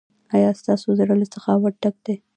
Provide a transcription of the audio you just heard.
ایا ستاسو زړه له سخاوت ډک دی؟